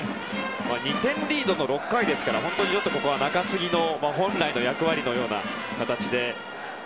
２点リードの６回ですから中継ぎの本来の役割のような形で。